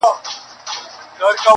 هم پر شمع، هم پانوس باندي ماښام سو -